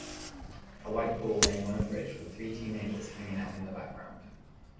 A white bull laying on a bridge with three teenagers hanging out in the background.